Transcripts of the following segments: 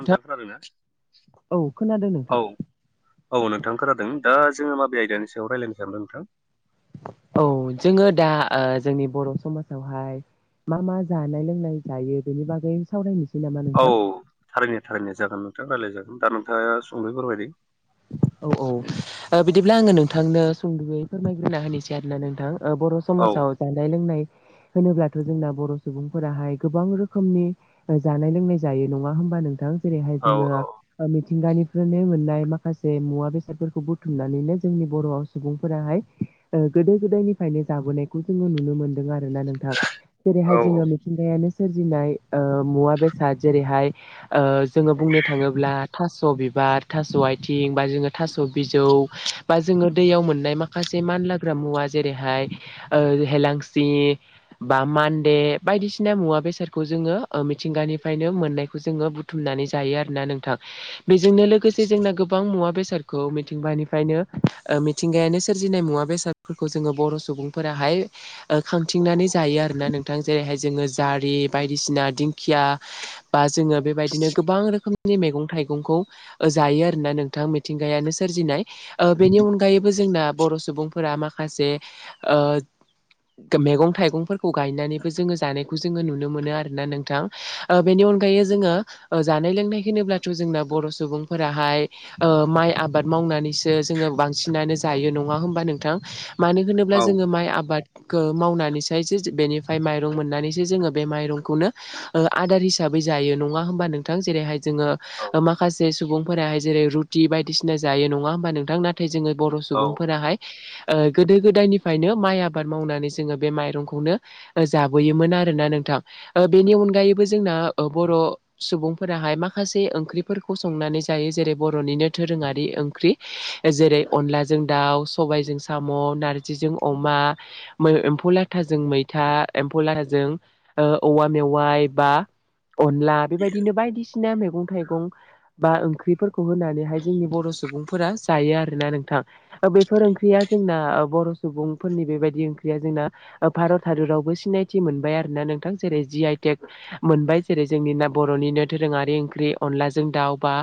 [unintelligible] आरोना नोंथां औ खोनादों नोंथां औ औ नोंथां खोनादों दा जोङो माबे आयदानि सायाव रायलायनो सानदों नोंथां। औ जोङो दा जोंनि बर' समाजावहाय मा मा जानाय लोंनाय जायो बेनि बागै सावरायनोसै नामा नोंथां औ थारैनो थारैनो जागोन नोंथाङा रायलाय जागोन दा नोंथाङा सुंदयै फोरमायदों। औ-औ बिदिब्ला आङो नोंथांनो सुंद'यै फोरमायग्रोना होनोसै आरोना नोंथां। बर' औ समाजाव जानाय लोंनाय होनोब्लाथ' जोंना बर' सुबुंफोराहाय गोबां रोखोमनि जानाय लोंनाय जायो नङा होम बा नोंथां जेरैहाय औ जोङो औ मिथिंगानिफ्रायनो मोननाय माखा से मुवा बेसादफोरखौ बुथुमनानैनो जोंनि बर'आव सुबुंफोराहाय गोदो गोदायनिफ्रायनो जाबोनायखौ जोङो नुनो मोनदों आरोना नोंथां जेरैहाय औ जोङो मिथिंगायानो सोरजिनाय मुवा बेसाद जेरैहाय जोङो बुंनो थाङोब्ला। थास' बिबार थास' आइ थिं बा जोङो थास' बिजौ बा जोङो दैयाव मोननाय माखासे मानलाग्रा मुवा जेरैहाय हेलांसि बा मान्दे बायदिसिना मुवा बेसादखौ जोङो मिथिंगानिफ्रायनो मोननायखौ जोङो बुथुमनानै जायो आरोना नोंथां बेजोंनो लोगोसे जोंना गोबां मुवा बेसादखौ मिथिंगानिफ्रायनो मिथिंगायानो सोरजिनाय मुवा बेसादफोरखौ जोङो बर' सुबुं फोराहाय खां थिंनानै जायो आरोना नोंथां जेरैहाय जोङो जारि बायदिसिना दिंखिया बा जोङो बेबायदिनो गोबां रोखोमनि मैगं थाइगंखौ जायो आरोना नों थां मिथिंगायानो सोरजिनाय बेनि अनगायैबो जोंना बर' सुबुंफोरा माखासे ओ मैगं थाइगंफोरखौ गायनानैबो जोङो जानायखौ जोङो नुनो मोनो आरोना नोंथां बेनि अनगायै जोङो जानाय लोंनाय होनोब्लाथ' जोंना बर' सुबुंफोराहाय माइ आबाद मावनानैसो जोङो बांसिनानो जायो नङा होमबा नोंथां। मानो होनोब्ला औ जोङो माइ आबाद मावनानैसाय जो बेनिफ्राय माइरं मोननानैसो जोङो बे माइरंखौनो आदार हिसाबै जायो नङा होमबा नोंथां जेरैहाय जोङो औ माखासे सुबुंफोराहाय जेरै रुटि बायदिसिना जायो नङा होमबा नोंथां नाथाय जोङो बर' औ सुबुंफोराहाय गोदो गोदायनिफ्रायनो माइ आबाद मावनानै जोङो बे माइरंखौनो जाबोयोमोन आरोना नोंथ थां बेनि अनगायैबो जोंना बर' सुबुंफोराहाय माखासे ओंख्रिफोरखौ संनानै जायो जेरै बर'निनो दोरोङारि ओंख्रि जेरै अनलाजों दाउ सबायजों साम' नार जिजों अमा एम्फौ लाथाजों मैथा एम्फौ लाथाजों औवा मेवाइ बा अनला बेबायदिनो बायदिसिना मैगं थाइगं बा ओंख्रिफोरखौ होनानैहाय जोंनि बर' सुबुंफोरा जायो आरोना नोंथां बेफोर ओंख्रिया जोंना बर' सुबुंफोरनि बेबायदि ओंख्रिया जोंना भारत हादरावबो सिनायथि मोनबाय आरो ना नोंथां जेरै जि आइ टेक मोनबाय जेरै जोंनि ना बर'निनो दोरोङारि ओंख्रि अनलाजों दाउ बा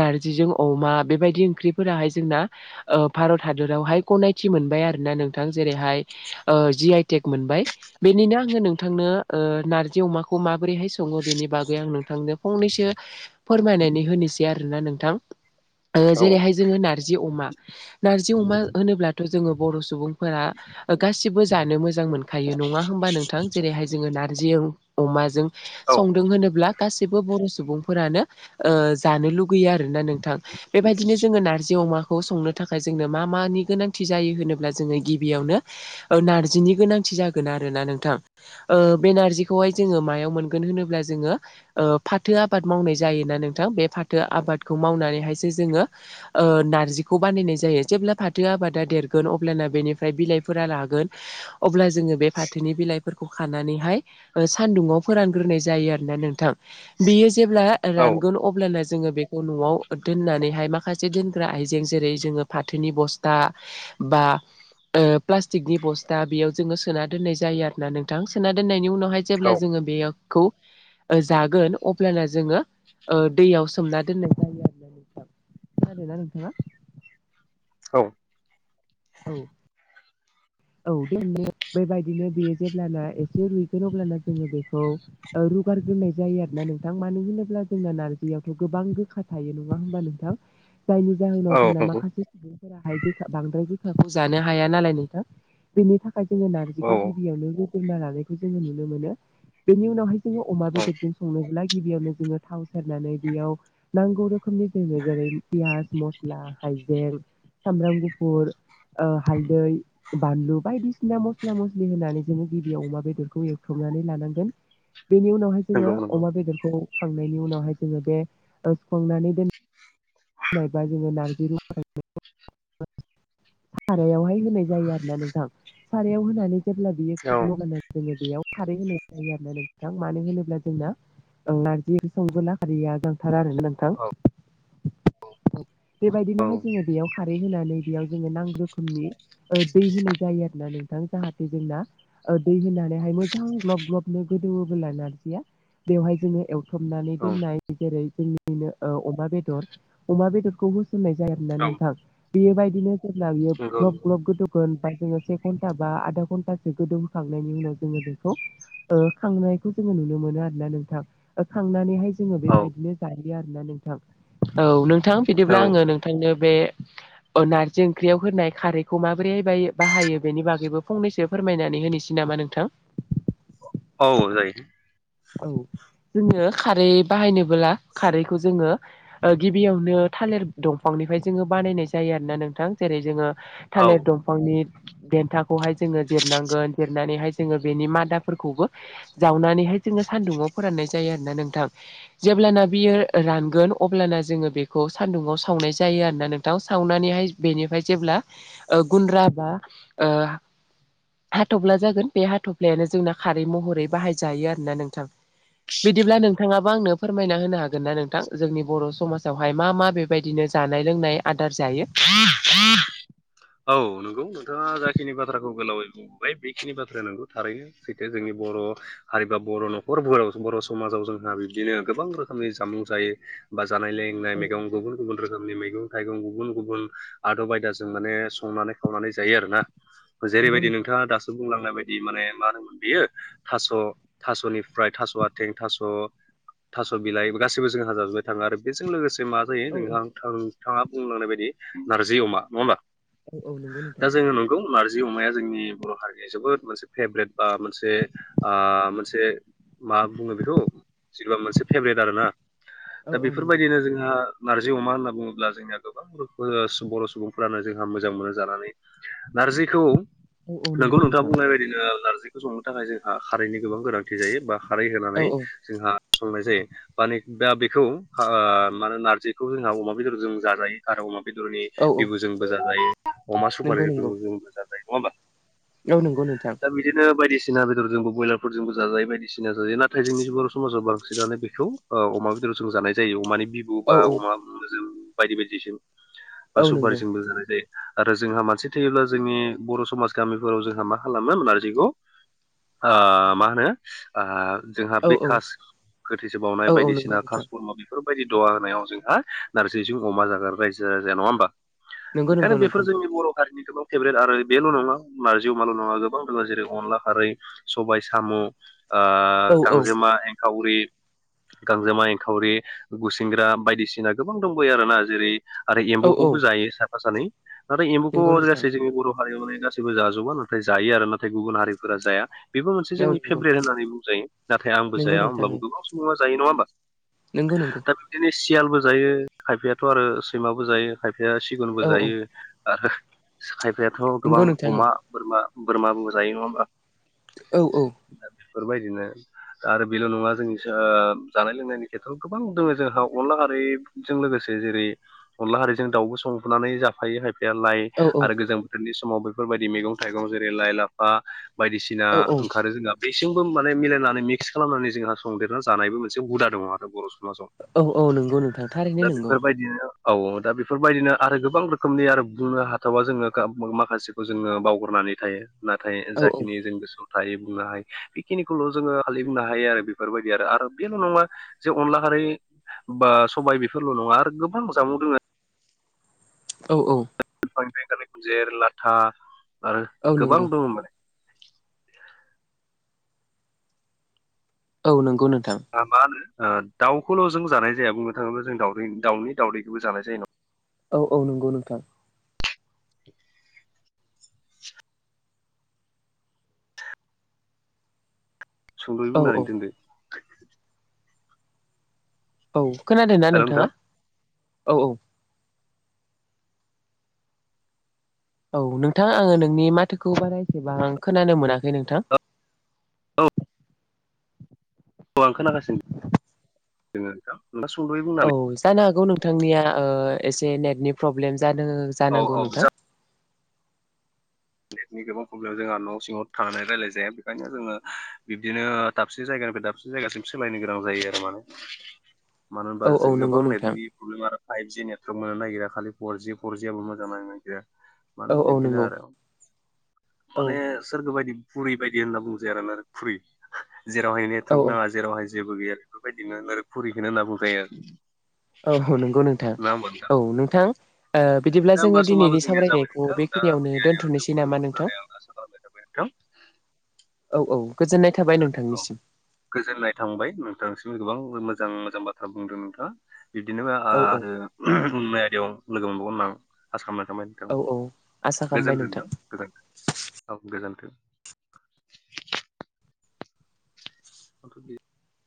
नारजिजों अमा बेबायदि ओंख्रिफोराहाय जोंना भारत हादरावहाय गनायथि मोन बाय आरोना नोंथां जेरैहाय जि आइ टेक मोनबाय बेनिनो आङो नोंथांनो नारजि अमाखौ माबोरैहाय सङो बेनि बागै आं नों थांनो फंनैसो फोरमायनानै होनोसै आरोना नोंथां जेरैहाय जोङो नारजि अमा नारजि अमा होनोब्ला जोङो बर' सुबुंफोरा गासिबो जानो मोजां मोनखायो नङा होमबा नोंथां जेरैहाय जोङो नारजि अमाजों संदों होनोब्ला गासिबो बर' सुबुंफोरानो जानो लुगैयो आरोना नोंथां बेबायदिनो जोङो नारजि अमाखौ संनो थाखाय जोंनो मा मानि गोनांथि जायो होनोब्ला जोङो गिबियावनो नारजिनि गोनांथि जागोन आरोना नोंथां बे नारजिखौहाय जोङो मायाव मोनगोन होनोब्ला जोङो फाथो आबाद मावनाय जायोना नोंथां बे फाथो आबादखौ मावनानैहायसो जोङो नारजिखौ बानायनाय जायो जेब्ला फाथो आबादा देरगोन अब्लाना बेनिफ्राय बिलाइफोरा रागोन अब्ला जोङो बे फाथोनि बिलाइफोरखौ खानानैहाय सान्दुङाव फोरानग्रोनाय जायो आरोना नोंथां बेयो जेब्ला औ रानगोन अब्लाना जोङो बेखौ न'आव दोननानैहाय माखासे दोनग्रा आइजें जेरै जोङो फाथोनि बस्था बा प्लास्टिकनि बस्था बेयाव जोङो सोना दोननाय जायो आरो ना नोंथां सोना दोननायनि उनाव औ जेब्ला जोङो बेखौ जागोन अब्लानिया जोङो ओ दैयाव सोमना दोननाय जायो आरोना नोंथां खोनादोंना नोंथाङा औ औ [inaudible] औ बे बेबायदिनो बेयो जेब्लाना एसे रुइगोन अब्लाना जोङो बेखौ रुगार नाय जायो आरो ना नोंथां मानो होनोब्ला जोंना नारजियावथ' गोबां गोखा थायो नङा होमबा नोंथां जायनि जाहोनाव जोंना नंगौ माखासे सुबुंफोराहाय गोखा बांद्राय गो जानो हाया नालाय नोंथां बेनि थाखाय जोङो नारजिखौ औ औ गिबियावनो रुना लानायखौ जोङो नुनो मोनो बेनि उनावहाय जोङो अमा औ बेदरजों संनोब्ला गिबियावनो जोङो थाव सेरनानै बेयाव नांगौ रोखोम नि जेरै पियाज मस्ला हाइजें सामब्राम गुफुर हालदै बानलु बायदिसिना मस्ला मस्लि होनानै जोङो गिबियाव अमा बेदरखौ एवथ्रम नानै लानांगोन बेनि उनावहाय जोङो नंगौ नंगौ अमा बेदरखौ खांनायनि उनावहाय जोङो बे सुखांनानै दोन नायबा जोङो नारजि रुखां [unintelligible] सारायावहाय होनाय जायो आरोना नोंथां सारायाव होनानै जेब्ला बियो औ सोगोन अ होननानै जोङो बेयाव खारै होनाय जायो आरोना नोंथां मानो होनोब्ला जों नारजि संबोला खारैया गोनांथार आरोना नोंथां औ औ औ बेबायदिनोहाय जोङो बेयाव खारै होनानै बेयाव जोङो नांगौ रोखोमनि दै होनाय जायो आरोना नों थां जाहाथे जोंना दै होनानैहाय मोजां ग्लब ग्लबनो गोदोङोबोला नारजिया बेवहाय जोङो एवथ्रमबनानै औ दोननाय जेरै जोंनिनो अमा बेदर अमा बेदरखौ होसननाय जाया आरोोना नोंथां बेबायदिनो जेब्ला बियो नंगौ नंगौ ग्लब ग्लब गोदौगोन बा जोङो से घन्टा बा आधा घन्टासो गोदौहोखांनायनि उनाव जोङो बेखौ खांनायखौ जोङो नुनो मोनो आरो ना नोंथां खांनानैहाय जोङो औ बेबायदिनो जायो आरोना नोंथां औ नोंथां औ बिदिब्ला आङो नोंथांनो बे नारजि ओंख्रियाव होनाय खारैखौ माबोरैहाय बाहायो बेनि बागैबो फंनैसो फोरमायनानै होनोसै नामा नोंथां औ जायो। औ जोङो खारै बाहायनोबोब्ला खारैखौ जोङो गिबियावनो थालिर दंफांनि फ्राय जोङो बानायनाय जायो आरोना नोंथां। जेरै जोङो औ थालिर दंफांनि दन्थाखौहाय जोङो जिरनांगोन जिरनानैहाय जोङो बेनि मादाफोरखौबो जावनानैहाय जोङो सान्दुुङाव फोराननाय जायो आरोोना नोंथां जेब्लाना बियो रानगोन अब्लाना जोङो बेखौ सानदुुङाव सावनाय जायो आरोना नोंथां सावनानैहाय बेनिफ्राय जेब्ला गुन्द्रा बा ओ हाथफ्ला जागोन बे हाथफ्लायानो जोंना खारै महरै बाहायजायो आरो। ना नोंथां? बिदिब्ला नोंथाङाबो आंनो फोरमायना होनो हागोन ना नोंथां जोंनि बर' समाजावहाय मा मा बेबायदिनो जानाय लोंनाय आदार जायो। [inaudible] औ नंगौ नोंथाङा जाखिनि बाथ्राखौ गोलावै बुंबोबाय बेखिनि बाथ्राया नोंगौ थारैनो सैथो जोंनि बर' हारि बा बर' न'खरफोराव बर' समाजाव जोंहा बिदिनो गोबां रोखोमनि जामुं जायो बा जानाय लोंनाय औ मैगं गुबुन गुबुन रोखोमनि मैगं थाइगं गुबुन गुबुन आदब आयदाजों माने संनानै खावनानै जायो आरोना। नंगौ जेरैबायदि नोंथां नोंथाङा दासो बुंलांनाय बायदि माने मा होनोमोन बेयो थास' थास'निफ्राय थास' आथिं थास' थास' बिलाइ गासैबो जों जाजोबबाय थाङो आरो बेजों लोगोसे मा जायो औ नोथां नोंथाङा बुंलांनाय बायदि नारजि अमा नङा होमबा? औ औ नंगौ दा नोंथां जोङो नंगौ नारजि अमाया जोंनि बर' हारिनि जोबोद मोनसे फेभ्रेट बा मोनसे मोनसे मा बुङो बेखौ जेन'बा मोनसे फेभरेट आरो ना औ दा औ नंगौ बेफोरबायदिनो जोंहा नारजि अमा होनना बुङोब्ला जोंनिया गोबां बर' सुबुंफोरानो जोंहा मोजां मोनो जानानै नारजिखौ औ औ नोंगौ नंगौ नोंथाङा नोंथां बुंनाय बायदिनो नारजिखौ संनो थाखाय जोंहा खारैनि गोबां गोनांथि जायो बा खारै औ होनानै औ जोंहा संनाय जायो बाने दा बेखौ मा होने नारजिखौ जोंहा अमा बेदर जों जाजायो आरो अमा बेदरनि औ बिबुजोंबो जाजायो अमा सपारि नंगौ बि नंगौ जोंबो जाजायो नङा होमबा? औ नंगौ नोंथां दा बिदिनो बायदिसि सिना बेदरजोंबो ब्रयलारफोरजोंबो जाजायो बायदिसिना जायो नाथाय जोंनि बर' समाजाव बांसिनानो बेखौ अमा बेदर जों जानाय जायो अमानि बिबु औ बा औ अमा जों बायदि बायदिजों बा औ नंगौ सुबारिजोंबो जानाय आरो जोंहा मानसि थैयोब्ला जोंनि बर' समाज गामिफोराव जोंहा मा खालामो नारजिखौ ओ मा होनो जोंहा औ बे कास गोथैसोबावनाय औ औ नंगौ बायदिसिना नोंथां कासकर्मा बेफोर बेफोरबायदि दहा होनायाव जोंहा नार्जिजों अमा जागोन रायजो राजाया नङा होमबा? नंगौ नंगौ बेखायनो नंगौ बेफोर नोंथां जोंनि बर' हारिनि गोबां फेभ्रेट आरो बेल' नङा नारजि अमाल' नङा गोबां रोङा जेरै अनला खारै सबायाइ साम' ओ औ औ गांजोमा एंखावरि गांजोमा एंखावरि गुसिंग्रा बायदिसिना गोबां दंबयो आरोना। जेरै आरो औ औ एम्बुखौबो जायो साफा सानै नाथाय एम्बुखौ नंगौ नोंथां जासै जोंनि बर' हारियावाय गासैबो जाजोबा नाथाय जायो आरो नाथाय गुबुन हारिफोरा जाया। बेबो मोनसे औ नंगौ जोंनि फेभरेट होननानै बुंजायो नाथाय आंबो नंगौ जाया नोंथां होमब्लाबो गोबां सुबुङा जायो नङा होमबा? नंगौ नंगौ दा बिदिनो सियालबो जायो खायफायाथ' आरो सैमाबो जायो खायफाया सिगुनबो औ औ जायो। आरो खायफायाथ' नंगौ गोबां नोंथां अमा बोरमा बोरमाबो जायो नङा होमबा? औ औ बेफोरबायदिनो आरो बेल' नङा जोंनि जानाय लोंनायनि खेथ्रआव गोबां दङ जोंहा अनला आरो लोगोसे जेरै अनला खारै जों दाउबो संबोननानै जाफायो खायफाया लाइ औ आरो गोजां बोथोरनि समाव बेफोरबायदि मैगं थाइगं जेरै लाइ लाफा बायदिसिना औ ओंखारो जोंना। बेसिमबो माने मिलायनानै मिक्स खालामनानै जोंहा संदेरना जानायबो मोनसे हुदा दङ आरो बर' औ नंगौ नोंथां थारैनो दा नंगौ बेफोरबायदिनो औ दा बे बेफोरबायदिनो आरो गोबां रोखोमनि आरो बुंनो हाथावा जोङो माखासेखौ जोङो बावगारनानै थायो। नाथाय औ औ जाखिनि जों गोसो बुंनो हायो बेखिनिखौल' जोङो खालि बुंनो हायो आरो बेफोरबायदि आरो बेल' नङा जे अनला बै बा सबाय बेफोरल' नङा आरो गोबां जाबावदों आरो दङ औ औ आनिफ्राय गाला गुजेर लाथा आरो औ गोबां नंगौ दङ माने औ नंगौ नों मानो दाउखौल' जों जानाय जाया बुंनो थाङोब्ला जों दावदै दाउनि दाउदैखौबो जानाय जायो नङा औ औ नंगौ नोंथां [inaudible] सुंद'यै औ बुंनानै औ दोनदो औ खोनादों ना हेल' नोंथां नोंथाङा औ औ औ नोंथां आङो नोंनि माथोखौ बाराएसेबां आं खोनानो मोनाखै नोंथां औ औ आं खोनागासिनो जोङो औ जानो हागौ नोंथांनिया एसे नेटनि प्रब्लेम औ जानांगौ औ नोंथां नेटनि गोबां प्रब्लेम जोंहा न' सिङाव थांनानै रायल्लाय जाया बेखायनो जोङो बिबदिनो दाबसे जायगानिफ्राय दाबसे दाबसे जायगासिम सोलायनो गोनां जायो आरो माने मानो औ होनबा औ नंगौ गोबां नोंथां नेटनि प्रब्लेम आरो फाइभजि नेटवर्क मोननो नागिरा खालि फरजि फरजि आबो मोजां नायनो नागिरा औ माने औ बिब्दिनो नंगौ आरो औ माने सोरगो बायदि बुरि बायदि होनना बुंजाया आरोना खुरै जेरावहाय औ नेटवर्क नाङा जेरावहाय जेबो गैया बेफोरबायदिनो नोरोग फुरिखौनो होनना बुंखायो औ नंगौ नोंथां औ नोंथां ओ बिदिब्ला दा होमबा जोङो समाबो दिनैनि जोंनिया जाबाय सावरायनायखौ नोंथां दा बेखिनियावनो आनियारियाव दोनथ'नोसै नोंथांखौ लोगो नामा मोनगोन नोंथां होननानै आं आसा खालामनाय जाबाय नोंथां औ औ गोजोननाय थाबाय [inaudible] औ नोंथांनिसिम गोजोननाय थांबाय नोंथांसिम गोबां मोजां मोजां बाथ्रा बुंदों नोंथाङा बिब्दिनो औ औ आरो ओ बुंनाय। याव लोगो मोनबावोन होन आसा औ खालामो। औ आसा खालामबाय नोंथां गोजोन्थों गोजोनथों औ गोजोन्थों। [inaudible] [inaudible]